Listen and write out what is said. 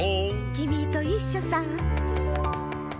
「きみといっしょさ」